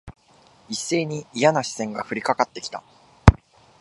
一斉にいやな視線が降りかかって来た。